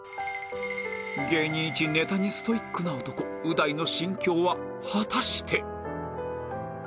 芸人イチネタにストイックな男う大の心境は果たして